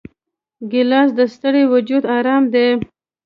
ګیلاس د ستړي وجود آرام دی.